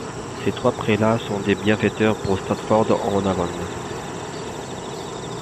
Ces trois prélats sont des bienfaiteurs pour Stratford-on-Avon.